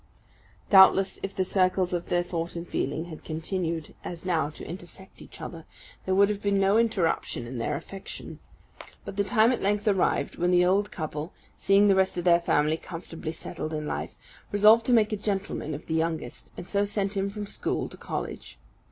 Doubtless, if the circles of their thought and feeling had continued as now to intersect each other, there would have been no interruption to their affection; but the time at length arrived when the old couple, seeing the rest of their family comfortably settled in life, resolved to make a gentleman of the youngest; and so sent him from school to college.